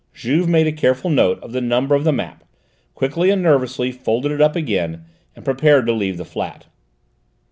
Juve made a careful note of the number of the map, quickly and nervously, folded it up again, and prepared to leave the flat.